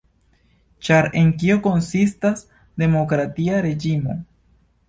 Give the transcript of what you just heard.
Ĉar en kio konsistas demokratia reĝimo?